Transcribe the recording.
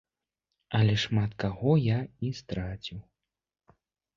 Але шмат каго я і страціў.